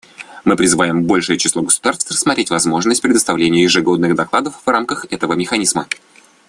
Мы призываем большее число государств рассмотреть возможность представления ежегодных докладов в рамках этого механизма.